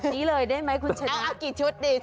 แบบนี้เลยได้มั้ยคุณฉนะเอ้าเกี่ยวชุดดี